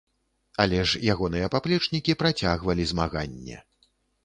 Але ж ягоныя паплечнікі працягвалі змаганне.